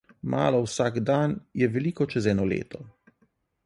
Malo vsak dan je veliko čez eno leto.